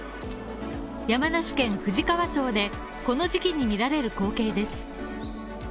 山梨県富士川町で、この時期に見られる光景です。